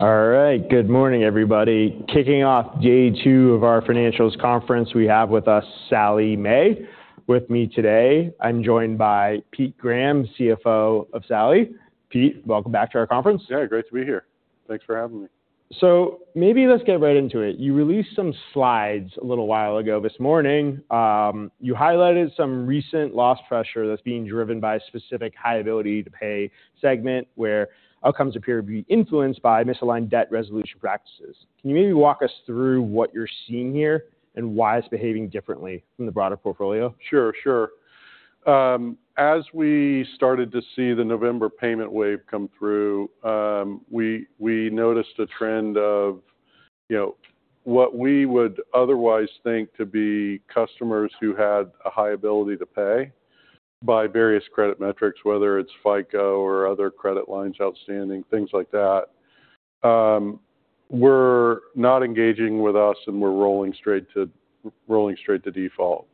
All right. Good morning, everybody. Kicking off day two of our financials conference, we have with us Sallie Mae. With me today, I'm joined by Pete Graham, CFO of Sallie. Pete, welcome back to our conference. Yeah. Great to be here. Thanks for having me. Maybe let's get right into it. You released some slides a little while ago this morning. You highlighted some recent loss pressure that's being driven by a specific high ability to pay segment, where outcomes appear to be influenced by misaligned debt resolution practices. Can you maybe walk us through what you're seeing here and why it's behaving differently from the broader portfolio? Sure. As we started to see the November payment wave come through, we noticed a trend of what we would otherwise think to be customers who had a high ability to pay by various credit metrics, whether it's FICO or other credit lines outstanding, things like that, were not engaging with us and were rolling straight to default.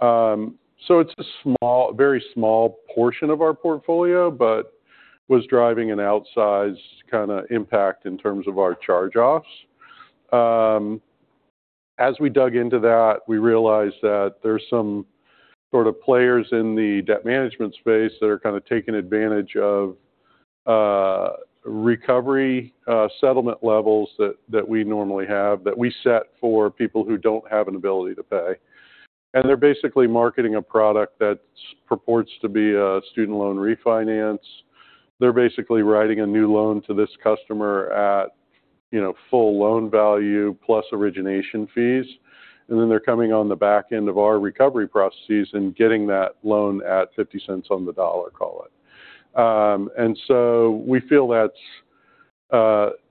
It's a very small portion of our portfolio, but was driving an outsized kind of impact in terms of our charge-offs. As we dug into that, we realized that there's some sort of players in the debt management space that are kind of taking advantage of recovery settlement levels that we normally have, that we set for people who don't have an ability to pay. They're basically marketing a product that purports to be a student loan refinance. They're basically writing a new loan to this customer at full loan value plus origination fees, then they're coming on the back end of our recovery processes and getting that loan at $0.50 on the dollar, call it. We feel that's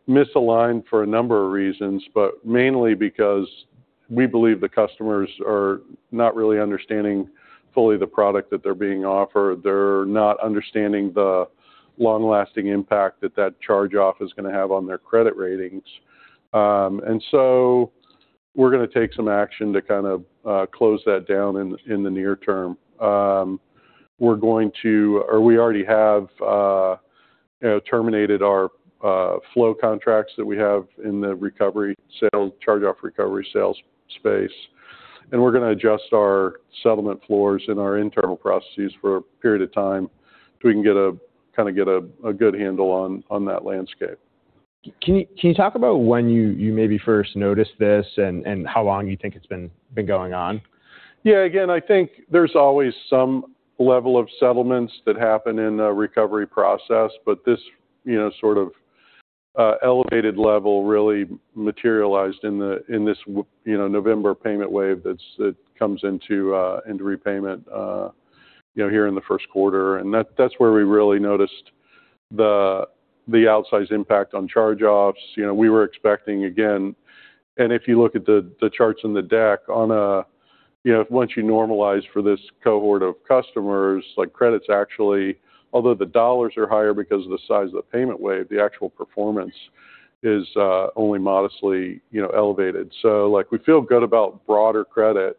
misaligned for a number of reasons, but mainly because we believe the customers are not really understanding fully the product that they're being offered. They're not understanding the long-lasting impact that that charge-off is going to have on their credit ratings. We're going to take some action to kind of close that down in the near term. We already have terminated our flow contracts that we have in the charge-off recovery sales space. We're going to adjust our settlement floors and our internal processes for a period of time so we can kind of get a good handle on that landscape. Can you talk about when you maybe first noticed this and how long you think it's been going on? Yeah. Again, I think there's always some level of settlements that happen in a recovery process, but this sort of elevated level really materialized in this November payment wave that comes into repayment here in the first quarter. That's where we really noticed the outsized impact on charge-offs. If you look at the charts in the deck, once you normalize for this cohort of customers, like credits actually, although the dollars are higher because of the size of the payment wave, the actual performance is only modestly elevated. We feel good about broader credit.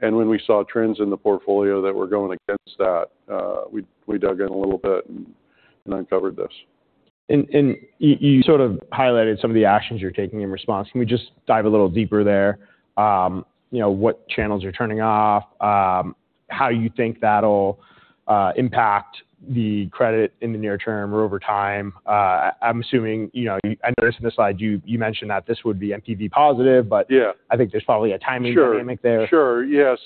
When we saw trends in the portfolio that were going against that, we dug in a little bit and uncovered this. You sort of highlighted some of the actions you're taking in response. Can we just dive a little deeper there? What channels you're turning off, how you think that'll impact the credit in the near term or over time? I noticed in the slide you mentioned that this would be NPV positive. Yeah I think there's probably a timing dynamic there. Sure. Yeah.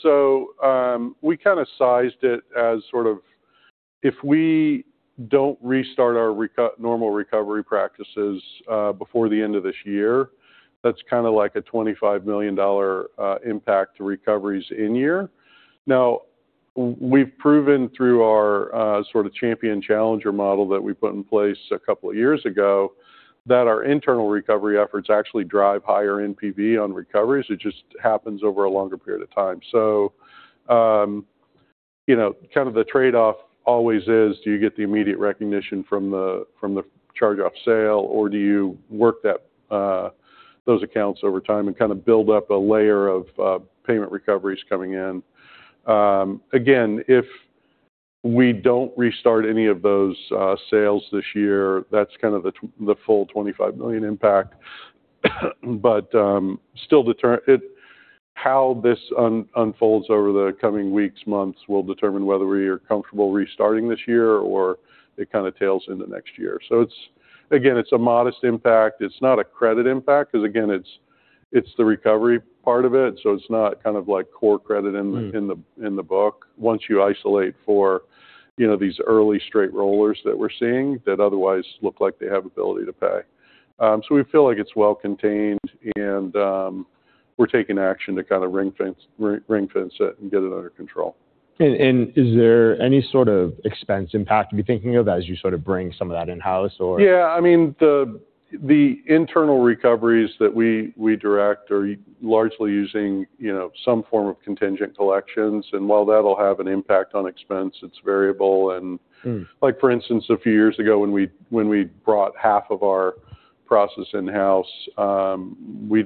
We kind of sized it as sort of if we don't restart our normal recovery practices before the end of this year, that's kind of like a $25 million impact to recoveries in year. Now, we've proven through our sort of champion challenger model that we put in place a couple of years ago that our internal recovery efforts actually drive higher NPV on recoveries. It just happens over a longer period of time. Kind of the trade-off always is: do you get the immediate recognition from the charge-off sale, or do you work those accounts over time and kind of build up a layer of payment recoveries coming in? Again, if we don't restart any of those sales this year, that's kind of the full $25 million impact. How this unfolds over the coming weeks, months, will determine whether we are comfortable restarting this year or it kind of tails into next year. Again, it's a modest impact. It's not a credit impact because again, it's the recovery part of it. It's not kind of like core credit in the book. Once you isolate for these early straight rollers that we're seeing that otherwise look like they have ability to pay. We feel like it's well contained and we're taking action to kind of ring-fence it and get it under control. Is there any sort of expense impact you'll be thinking of as you sort of bring some of that in-house or? I mean, the internal recoveries that we direct are largely using some form of contingent collections. While that'll have an impact on expense, it's variable. Like for instance, a few years ago when we brought half of our process in-house, we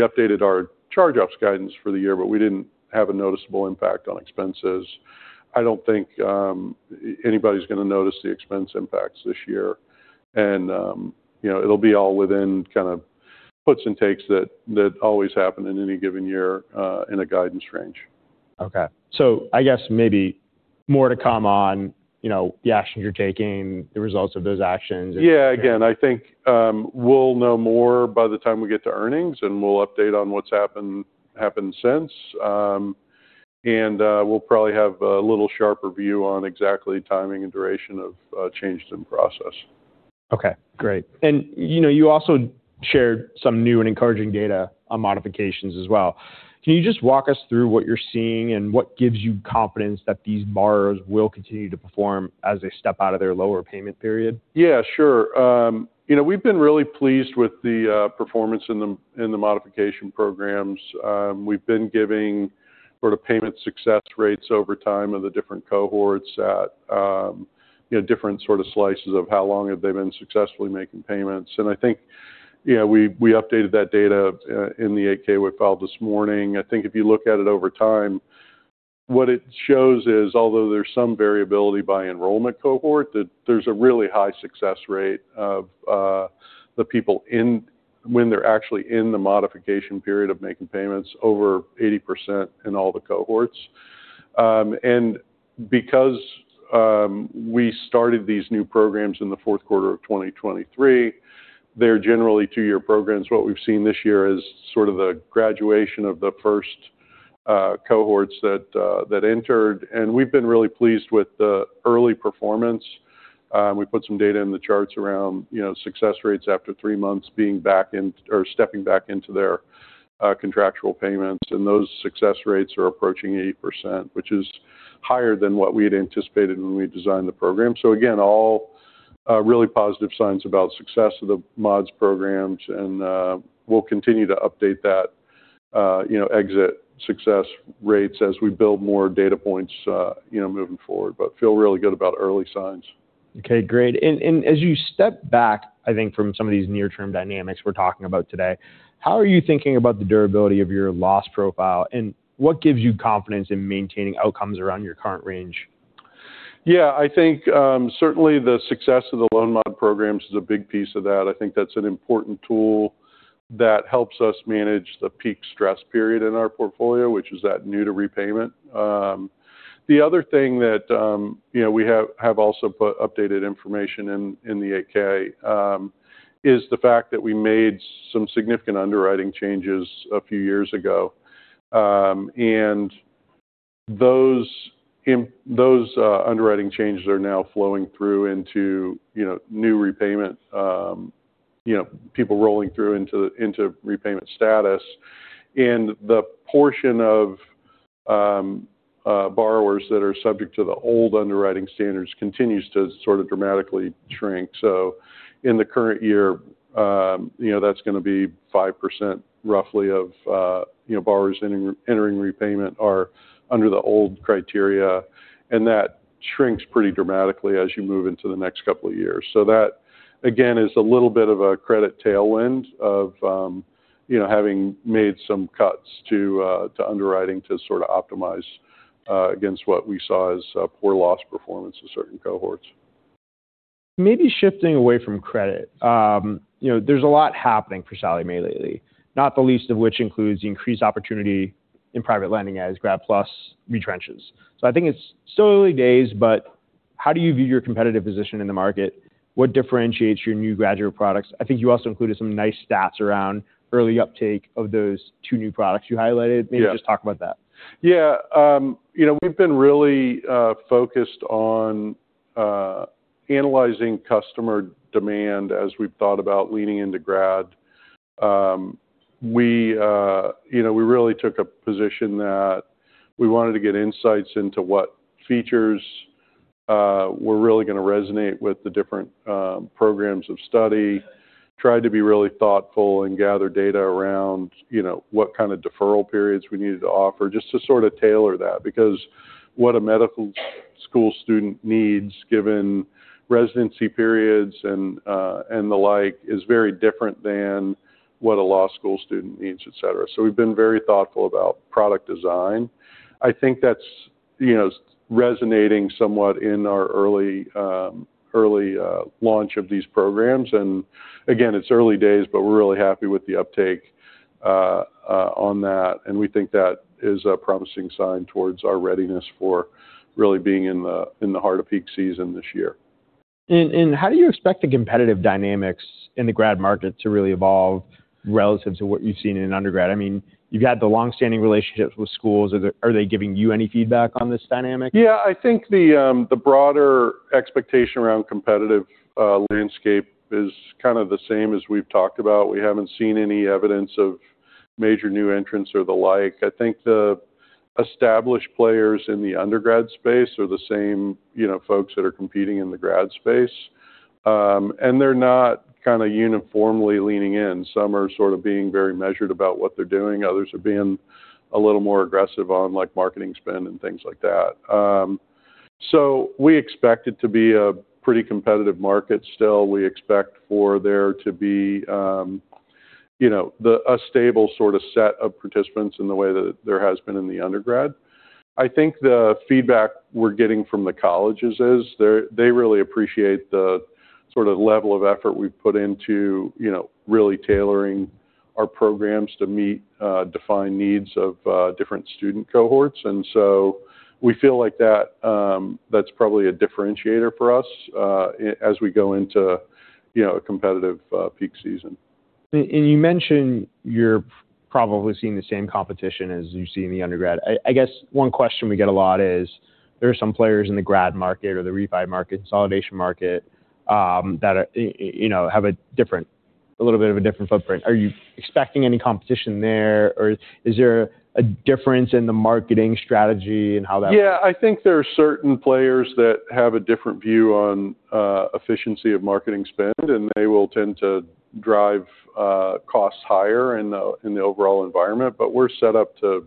updated our charge-offs guidance for the year, but we didn't have a noticeable impact on expenses. I don't think anybody's going to notice the expense impacts this year. It'll be all within kind of puts and takes that always happen in any given year in a guidance range. I guess maybe more to come on the actions you're taking, the results of those actions. Again, I think we'll know more by the time we get to earnings, we'll update on what's happened since. We'll probably have a little sharper view on exactly timing and duration of changes in process. Okay, great. You also shared some new and encouraging data on modifications as well. Can you just walk us through what you're seeing and what gives you confidence that these borrowers will continue to perform as they step out of their lower payment period? Yeah, sure. We've been really pleased with the performance in the modification programs. We've been giving sort of payment success rates over time of the different cohorts at different sort of slices of how long have they been successfully making payments. I think we updated that data in the 8-K we filed this morning. I think if you look at it over time, what it shows is, although there's some variability by enrollment cohort, that there's a really high success rate of the people when they're actually in the modification period of making payments, over 80% in all the cohorts. Because we started these new programs in the fourth quarter of 2023, they're generally two-year programs. What we've seen this year is sort of the graduation of the first cohorts that entered. We've been really pleased with the early performance. We put some data in the charts around success rates after three months stepping back into their contractual payments. Those success rates are approaching 80%, which is higher than what we had anticipated when we designed the program. Again, all really positive signs about success of the mods programs. We'll continue to update that exit success rates as we build more data points moving forward. Feel really good about early signs. Okay, great. As you step back, I think from some of these near-term dynamics we're talking about today, how are you thinking about the durability of your loss profile, and what gives you confidence in maintaining outcomes around your current range? Yeah, I think certainly the success of the loan mod programs is a big piece of that. I think that's an important tool that helps us manage the peak stress period in our portfolio, which is that new to repayment. The other thing that we have also put updated information in the 8-K is the fact that we made some significant underwriting changes a few years ago. Those underwriting changes are now flowing through into new repayment, people rolling through into repayment status. The portion of borrowers that are subject to the old underwriting standards continues to sort of dramatically shrink. In the current year, that's going to be 5% roughly of borrowers entering repayment are under the old criteria. That shrinks pretty dramatically as you move into the next couple of years. That again is a little bit of a credit tailwind of having made some cuts to underwriting to sort of optimize against what we saw as poor loss performance of certain cohorts. Maybe shifting away from credit. There's a lot happening for Sallie Mae lately, not the least of which includes the increased opportunity in private lending as Grad PLUS retrenches. I think it's still early days, but how do you view your competitive position in the market? What differentiates your new graduate products? I think you also included some nice stats around early uptake of those two new products you highlighted. Yeah. Maybe just talk about that. Yeah. We've been really focused on analyzing customer demand as we've thought about leaning into Grad. We really took a position that we wanted to get insights into what features were really going to resonate with the different programs of study. Tried to be really thoughtful and gather data around what kind of deferral periods we needed to offer just to sort of tailor that. Because what a medical school student needs given residency periods and the like is very different than what a law school student needs, et cetera. We've been very thoughtful about product design. I think that's resonating somewhat in our early launch of these programs. Again, it's early days, but we're really happy with the uptake on that, and we think that is a promising sign towards our readiness for really being in the heart of peak season this year. How do you expect the competitive dynamics in the Grad market to really evolve relative to what you've seen in undergrad? You've had the longstanding relationships with schools. Are they giving you any feedback on this dynamic? Yeah. I think the broader expectation around competitive landscape is kind of the same as we've talked about. We haven't seen any evidence of major new entrants or the like. I think the established players in the undergrad space are the same folks that are competing in the Grad space. They're not kind of uniformly leaning in. Some are sort of being very measured about what they're doing. Others are being a little more aggressive on marketing spend and things like that. We expect it to be a pretty competitive market still. We expect for there to be a stable set of participants in the way that there has been in the undergrad. I think the feedback we're getting from the colleges is they really appreciate the level of effort we've put into really tailoring our programs to meet defined needs of different student cohorts. We feel like that's probably a differentiator for us as we go into a competitive peak season. You mention you're probably seeing the same competition as you see in the undergrad. I guess one question we get a lot is there are some players in the grad market or the refi market, consolidation market that have a little bit of a different footprint. Are you expecting any competition there, or is there a difference in the marketing strategy? Yeah, I think there are certain players that have a different view on efficiency of marketing spend. They will tend to drive costs higher in the overall environment. We're set up to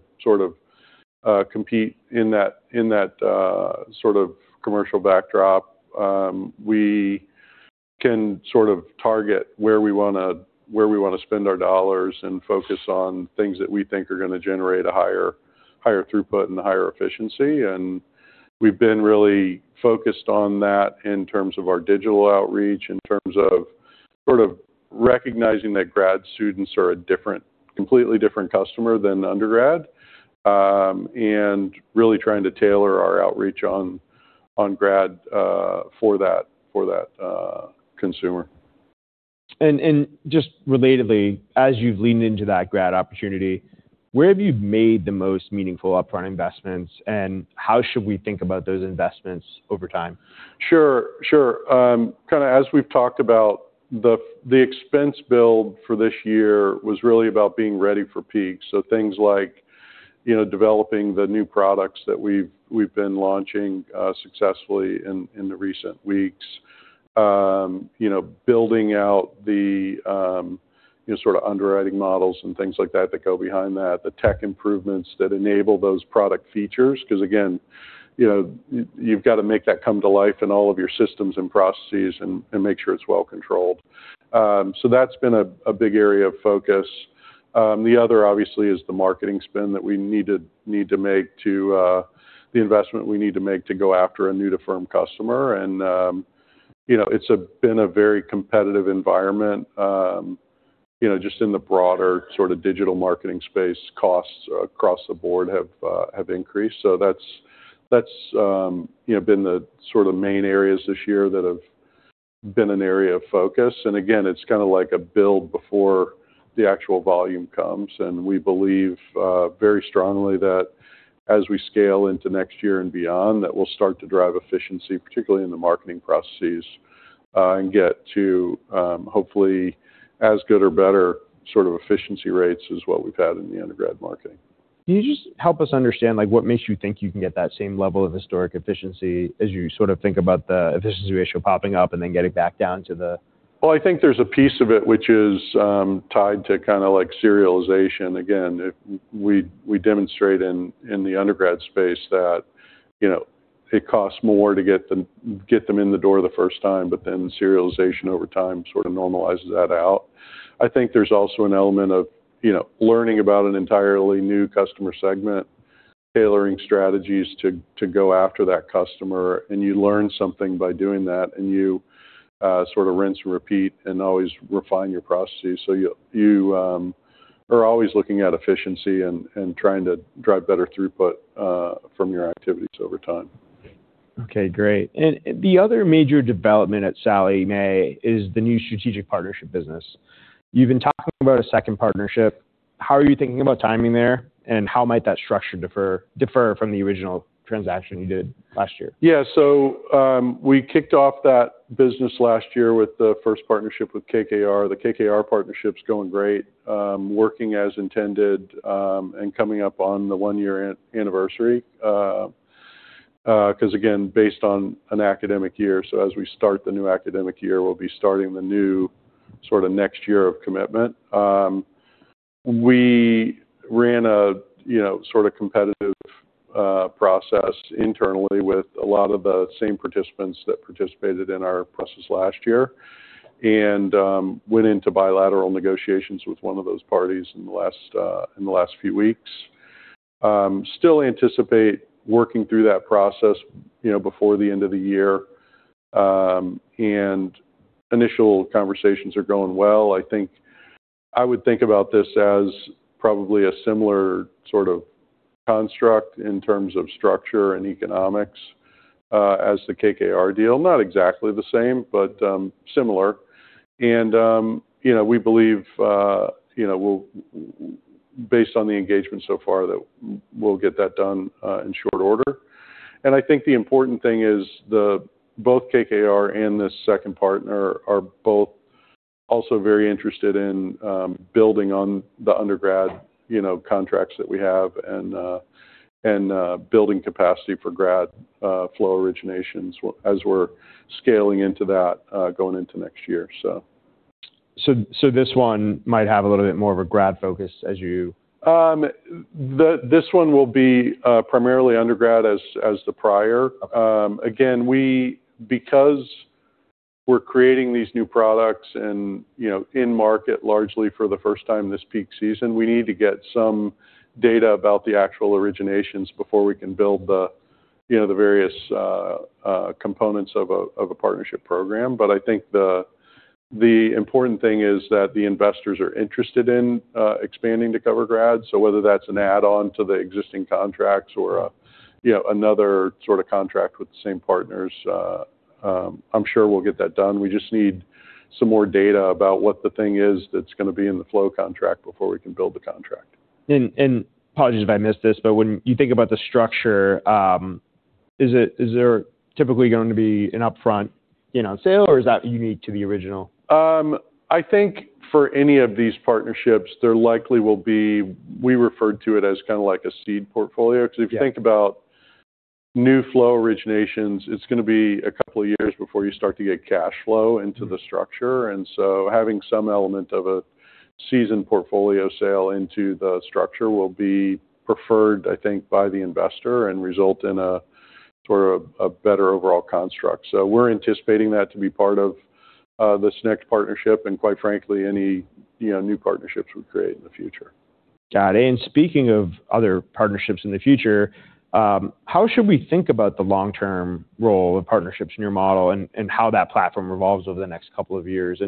compete in that commercial backdrop. We can target where we want to spend our dollars and focus on things that we think are going to generate a higher throughput and a higher efficiency. We've been really focused on that in terms of our digital outreach, in terms of recognizing that grad students are a completely different customer than undergrad, and really trying to tailor our outreach on grad for that consumer. Just relatedly, as you've leaned into that grad opportunity, where have you made the most meaningful upfront investments, and how should we think about those investments over time? Sure. As we've talked about, the expense build for this year was really about being ready for peak. Things like developing the new products that we've been launching successfully in the recent weeks. Building out the underwriting models and things like that go behind that. The tech improvements that enable those product features, because again, you've got to make that come to life in all of your systems and processes and make sure it's well-controlled. That's been a big area of focus. The other, obviously, is the marketing spend that we need to make to the investment we need to make to go after a new-to-firm customer. It's been a very competitive environment. Just in the broader digital marketing space, costs across the board have increased. That's been the main areas this year that have been an area of focus. It's like a build before the actual volume comes. We believe very strongly that as we scale into next year and beyond, that we'll start to drive efficiency, particularly in the marketing processes, and get to hopefully as good or better efficiency rates as what we've had in the undergrad marketing. Can you just help us understand what makes you think you can get that same level of historic efficiency as you think about the efficiency ratio popping up and then getting back down to the. Well, I think there's a piece of it which is tied to securitization. Again, we demonstrate in the undergrad space that it costs more to get them in the door the first time. Securitization over time normalizes that out. I think there's also an element of learning about an entirely new customer segment, tailoring strategies to go after that customer, and you learn something by doing that, and you rinse and repeat and always refine your processes. You are always looking at efficiency and trying to drive better throughput from your activities over time. Okay, great. The other major development at Sallie Mae is the new strategic partnership business. You've been talking about a second partnership. How are you thinking about timing there, and how might that structure differ from the original transaction you did last year? Yeah. We kicked off that business last year with the first partnership with KKR. The KKR partnership's going great. Working as intended, and coming up on the one-year anniversary. Because again, based on an academic year, as we start the new academic year, we'll be starting the new next year of commitment. We ran a competitive process internally with a lot of the same participants that participated in our process last year, and went into bilateral negotiations with one of those parties in the last few weeks. Still anticipate working through that process before the end of the year, and initial conversations are going well. I would think about this as probably a similar sort of construct in terms of structure and economics as the KKR deal. Not exactly the same, but similar. We believe based on the engagement so far that we'll get that done in short order. I think the important thing is both KKR and this second partner are both also very interested in building on the undergrad contracts that we have and building capacity for grad flow originations as we're scaling into that going into next year. This one might have a little bit more of a grad focus. This one will be primarily undergrad as the prior. Okay. Because we're creating these new products and in market largely for the first time this peak season, we need to get some data about the actual originations before we can build the various components of a partnership program. I think the important thing is that the investors are interested in expanding to cover grads. Whether that's an add-on to the existing contracts or another sort of contract with the same partners, I'm sure we'll get that done. We just need some more data about what the thing is that's going to be in the flow contract before we can build the contract. Apologies if I missed this, but when you think about the structure, is there typically going to be an upfront sale, or is that unique to the original? I think for any of these partnerships, there likely will be, we referred to it as kind of like a seed portfolio. Yeah. If you think about new flow originations, it's going to be a couple of years before you start to get cash flow into the structure. Having some element of a seasoned portfolio sale into the structure will be preferred, I think, by the investor and result in a sort of a better overall construct. We're anticipating that to be part of this next partnership and quite frankly, any new partnerships we create in the future. Got it. Speaking of other partnerships in the future, how should we think about the long-term role of partnerships in your model and how that platform evolves over the next couple of years?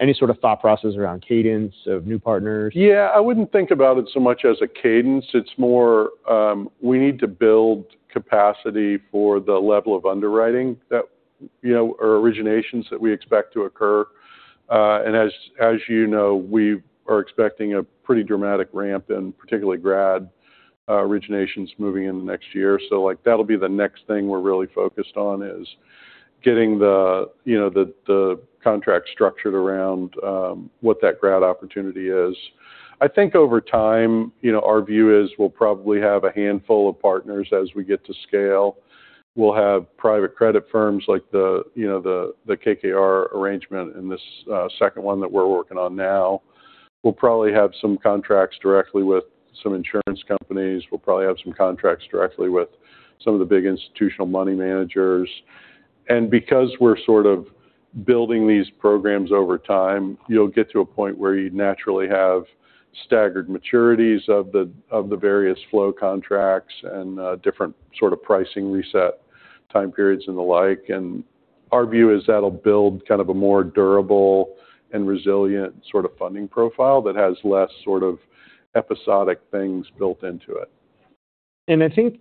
Any sort of thought process around cadence of new partners? Yeah, I wouldn't think about it so much as a cadence. It's more, we need to build capacity for the level of underwriting or originations that we expect to occur. As you know, we are expecting a pretty dramatic ramp in particularly grad originations moving in next year. Like that'll be the next thing we're really focused on is getting the contract structured around what that grad opportunity is. I think over time, our view is we'll probably have a handful of partners as we get to scale. We'll have private credit firms like the KKR arrangement and this second one that we're working on now. We'll probably have some contracts directly with some insurance companies. We'll probably have some contracts directly with some of the big institutional money managers. Because we're sort of building these programs over time, you'll get to a point where you naturally have staggered maturities of the various flow contracts and different sort of pricing reset time periods and the like. Our view is that'll build kind of a more durable and resilient sort of funding profile that has less sort of episodic things built into it. I think,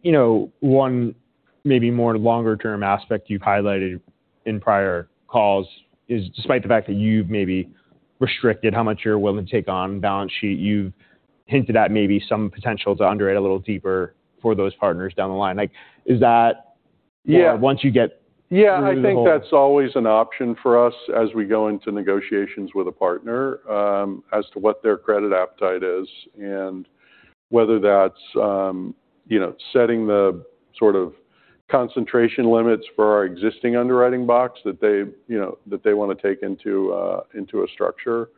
one maybe more longer term aspect you've highlighted in prior calls is despite the fact that you've maybe restricted how much you're willing to take on balance sheet, you've hinted at maybe some potential to underwrite a little deeper for those partners down the line. Like is that- Yeah. Once you get through the whole. Yeah, I think that's always an option for us as we go into negotiations with a partner as to what their credit appetite is and whether that's setting the sort of concentration limits for our existing underwriting box that they want to take into a structure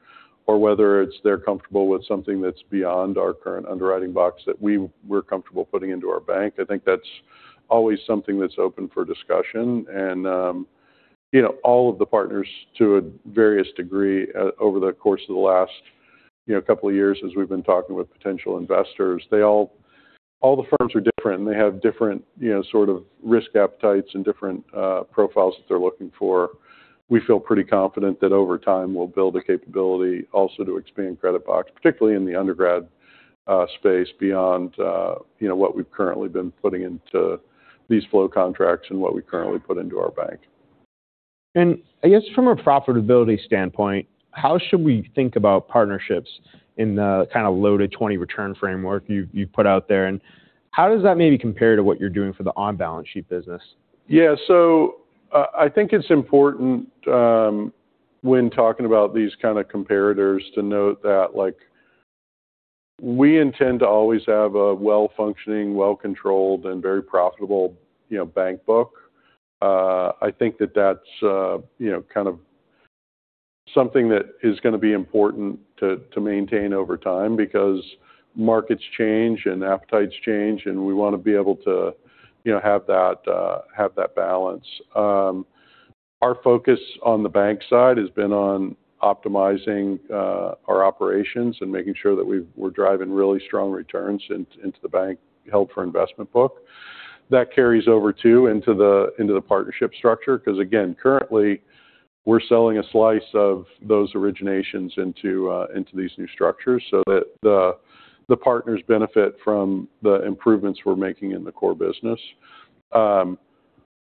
or whether it's they're comfortable with something that's beyond our current underwriting box that we're comfortable putting into our bank. I think that's always something that's open for discussion. All of the partners to a various degree over the course of the last couple of years as we've been talking with potential investors, all the firms are different and they have different sort of risk appetites and different profiles that they're looking for. We feel pretty confident that over time we'll build the capability also to expand credit box, particularly in the undergrad space beyond what we've currently been putting into these flow contracts and what we currently put into our bank. I guess from a profitability standpoint, how should we think about partnerships in the kind of low to 20 return framework you've put out there, and how does that maybe compare to what you're doing for the on-balance sheet business? I think it's important when talking about these kind of comparators to note that like we intend to always have a well-functioning, well-controlled, and very profitable bank book. I think that's kind of something that is going to be important to maintain over time because markets change and appetites change, and we want to be able to have that balance. Our focus on the bank side has been on optimizing our operations and making sure that we're driving really strong returns into the bank held-for-investment book. That carries over, too, into the partnership structure because, again, currently we're selling a slice of those originations into these new structures so that the partners benefit from the improvements we're making in the core business.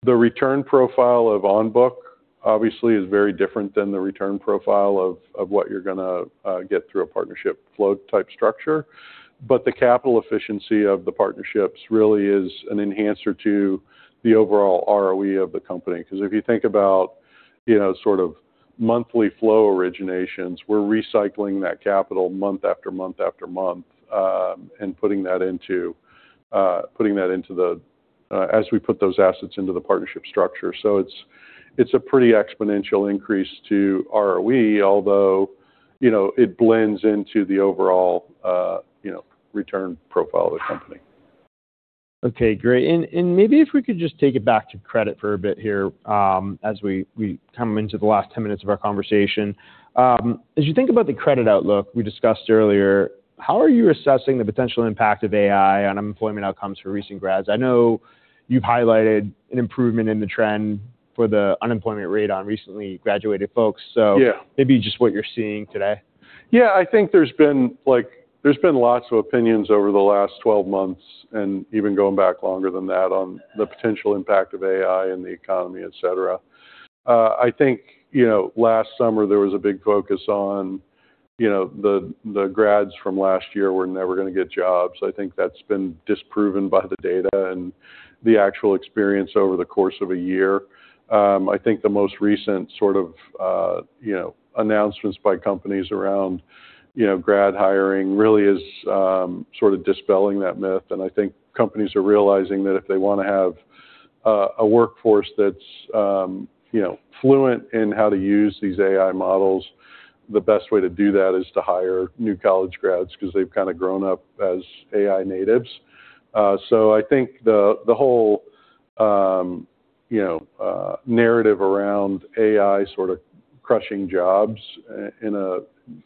The return profile of on book obviously is very different than the return profile of what you're going to get through a partnership flow type structure. The capital efficiency of the partnerships really is an enhancer to the overall ROE of the company. Because if you think about sort of monthly flow originations, we're recycling that capital month after month after month, and putting that. As we put those assets into the partnership structure. It's a pretty exponential increase to ROE, although it blends into the overall return profile of the company. Okay, great. Maybe if we could just take it back to credit for a bit here as we come into the last 10 minutes of our conversation. As you think about the credit outlook we discussed earlier, how are you assessing the potential impact of AI on employment outcomes for recent grads? I know you've highlighted an improvement in the trend for the unemployment rate on recently graduated folks. Yeah. Maybe just what you're seeing today. Yeah, I think there's been lots of opinions over the last 12 months and even going back longer than that on the potential impact of AI in the economy, et cetera. I think last summer there was a big focus on the grads from last year were never going to get jobs. I think that's been disproven by the data and the actual experience over the course of a year. I think the most recent sort of announcements by companies around grad hiring really is sort of dispelling that myth, and I think companies are realizing that if they want to have a workforce that's fluent in how to use these AI models, the best way to do that is to hire new college grads because they've kind of grown up as AI natives. I think the whole narrative around AI sort of crushing jobs in an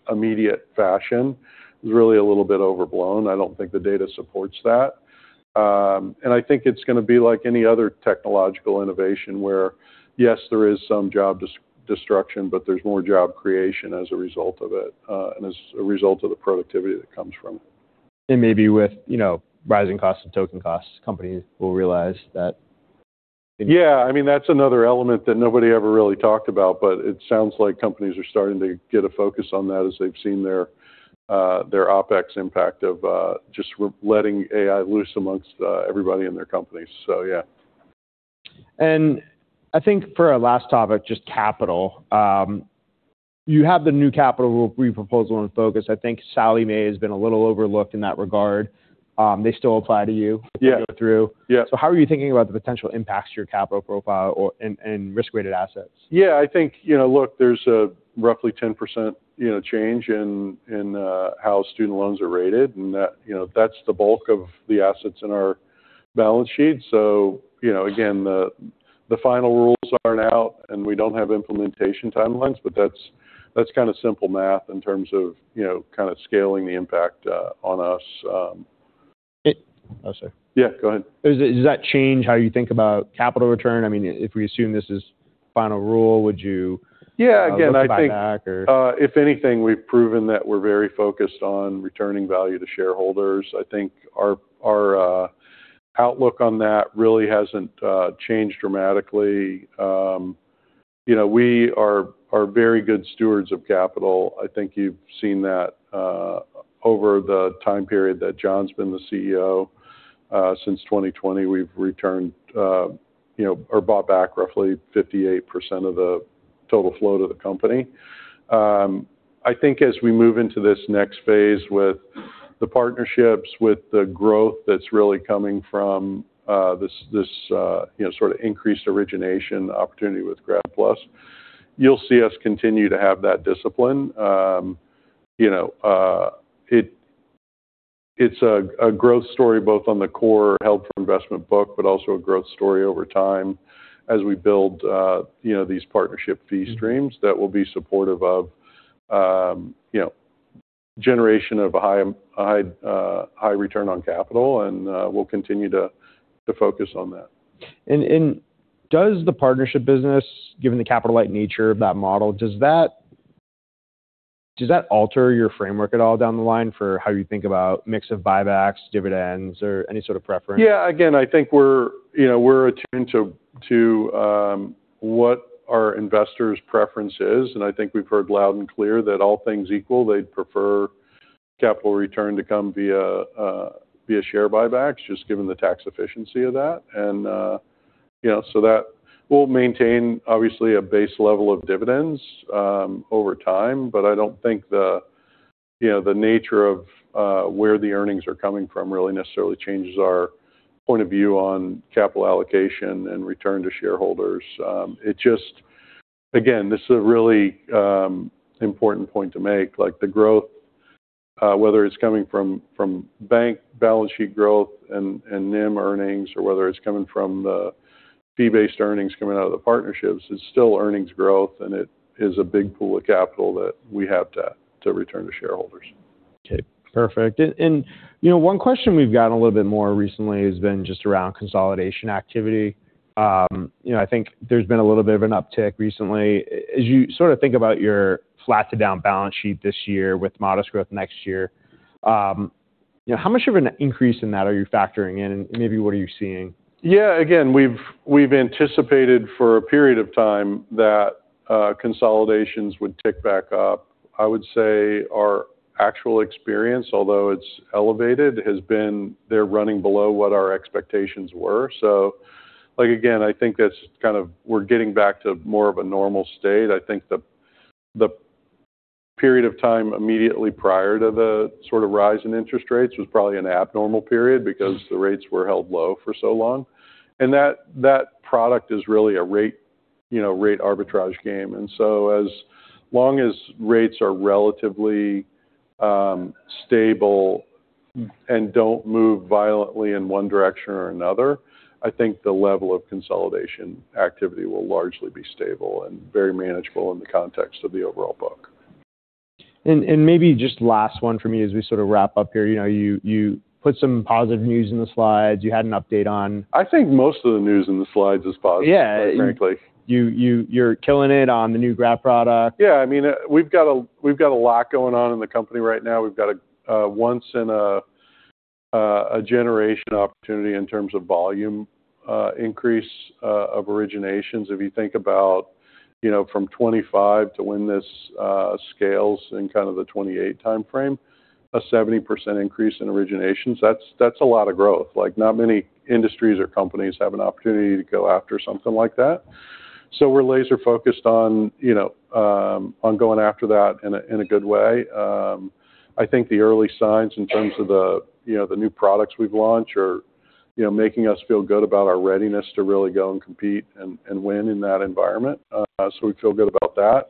immediate fashion is really a little bit overblown. I don't think the data supports that. I think it's going to be like any other technological innovation where, yes, there is some job destruction, but there's more job creation as a result of it, and as a result of the productivity that comes from it. With rising costs and token costs, companies will realize that. Yeah, that's another element that nobody ever really talked about, but it sounds like companies are starting to get a focus on that as they've seen their OpEx impact of just letting AI loose amongst everybody in their companies. yeah. I think for our last topic, just capital. You have the new capital proposal in focus. I think Sallie Mae has been a little overlooked in that regard. They still apply. Yeah. To go through. Yeah. How are you thinking about the potential impacts to your capital profile and risk-weighted assets? Yeah, I think, look, there's a roughly 10% change in how student loans are rated, and that's the bulk of the assets in our balance sheet. Again, the final rules aren't out, and we don't have implementation timelines, but that's kind of simple math in terms of scaling the impact on us. Oh, sorry. Yeah, go ahead. Does that change how you think about capital return? If we assume this is final rule, would you? Yeah, again, I think. Look to buy back or? If anything, we've proven that we're very focused on returning value to shareholders. I think our outlook on that really hasn't changed dramatically. We are very good stewards of capital. I think you've seen that over the time period that John's been the CEO. Since 2020, we've returned or bought back roughly 58% of the total flow to the company. I think as we move into this next phase with the partnerships, with the growth that's really coming from this sort of increased origination opportunity with Grad PLUS, you'll see us continue to have that discipline. It's a growth story both on the core held-for-investment book, but also a growth story over time as we build these partnership fee streams that will be supportive of generation of a high return on capital, and we'll continue to focus on that. Does the partnership business, given the capital-like nature of that model, does that alter your framework at all down the line for how you think about mix of buybacks, dividends, or any sort of preference? Yeah, again, I think we're attuned to what our investors' preference is, and I think we've heard loud and clear that all things equal, they'd prefer capital return to come via share buybacks, just given the tax efficiency of that. That will maintain obviously a base level of dividends over time. I don't think the nature of where the earnings are coming from really necessarily changes our point of view on capital allocation and return to shareholders. Again, this is a really important point to make. The growth, whether it's coming from bank balance sheet growth and NIM earnings or whether it's coming from fee-based earnings coming out of the partnerships, it's still earnings growth and it is a big pool of capital that we have to return to shareholders. Okay, perfect. One question we've gotten a little bit more recently has been just around consolidation activity. I think there's been a little bit of an uptick recently. As you sort of think about your flat to down balance sheet this year with modest growth next year, how much of an increase in that are you factoring in, and maybe what are you seeing? Yeah, again, we've anticipated for a period of time that consolidations would tick back up. I would say our actual experience, although it's elevated, has been they're running below what our expectations were. Again, I think that's kind of we're getting back to more of a normal state. I think the period of time immediately prior to the sort of rise in interest rates was probably an abnormal period because the rates were held low for so long. That product is really a rate arbitrage game. As long as rates are relatively stable and don't move violently in one direction or another, I think the level of consolidation activity will largely be stable and very manageable in the context of the overall book. Maybe just last one from me as we sort of wrap up here. You put some positive news in the slides. You had an update on- I think most of the news in the slides is positive, frankly. Yeah. You're killing it on the new grad product. Yeah. We've got a lot going on in the company right now. We've got a once in a generation opportunity in terms of volume increase of originations. If you think about from 2025 to when this scales in kind of the 2028 timeframe, a 70% increase in originations, that's a lot of growth. Like, not many industries or companies have an opportunity to go after something like that. We're laser-focused on going after that in a good way. I think the early signs in terms of the new products we've launched are making us feel good about our readiness to really go and compete and win in that environment. We feel good about that.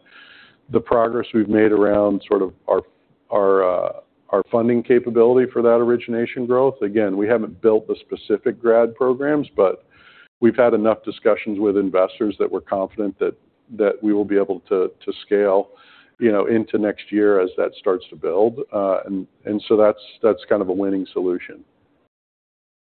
The progress we've made around sort of our funding capability for that origination growth. Again, we haven't built the specific grad programs, but we've had enough discussions with investors that we're confident that we will be able to scale into next year as that starts to build. That's kind of a winning solution.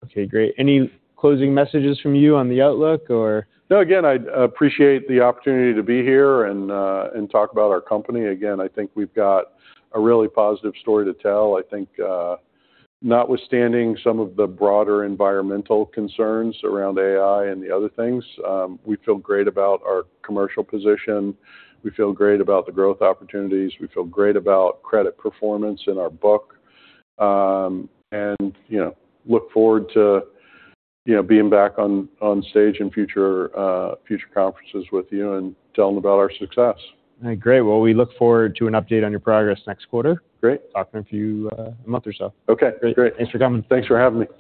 Okay, great. Any closing messages from you on the outlook or? I appreciate the opportunity to be here and talk about our company. I think we've got a really positive story to tell. I think notwithstanding some of the broader environmental concerns around AI and the other things, we feel great about our commercial position. We feel great about the growth opportunities. We feel great about credit performance in our book. Look forward to being back on stage in future conferences with you and telling about our success. All right, great. Well, we look forward to an update on your progress next quarter. Great. Talk to you in a month or so. Okay, great. Great. Thanks for coming. Thanks for having me.